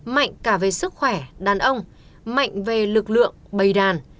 mạnh cả về sức khỏe đàn ông mạnh về lực lượng bày đàn